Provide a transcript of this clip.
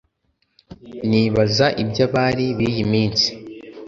Nibaza iby’abari biyiminsi